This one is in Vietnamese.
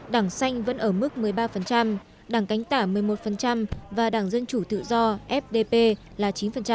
đảng xanh vẫn ở mức một mươi ba đảng cánh tả một mươi một và đảng dân chủ tự do fdp là chín